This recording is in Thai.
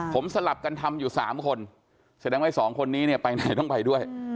ผมสลับกันทำอยู่๓คนแสดงว่าสองคนนี้เนี่ยไปไหนต้องไปด้วย